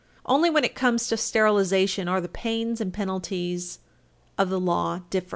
Only when it comes to sterilization are the pains and penalties of the law different.